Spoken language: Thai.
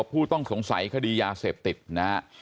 ผู้ต้องสงสัยคดียาเสพติดนะฮะ